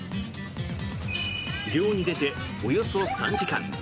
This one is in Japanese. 漁に出ておよそ３時間。